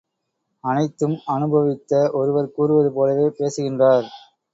அனைத்தும் அனுபவித்த ஒருவர் கூறுவது போலவே பேசுகின்றார்.